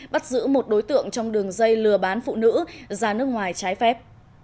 bắt giữ một đối tượng trong đường dây lừa bán phụ nữ ra nước ngoài trái phép